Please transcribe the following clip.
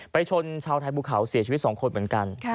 ชนชาวไทยภูเขาเสียชีวิต๒คนเหมือนกัน